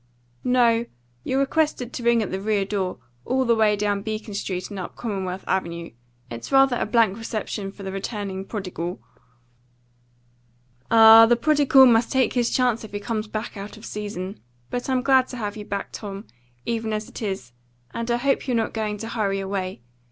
"No; you're requested to ring at the rear door, all the way down Beacon Street and up Commonwealth Avenue. It's rather a blank reception for the returning prodigal." "Ah, the prodigal must take his chance if he comes back out of season. But I'm glad to have you back, Tom, even as it is, and I hope you're not going to hurry away.